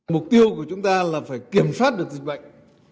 mục tiêu của chúng ta là phải kiểm soát được dịch bệnh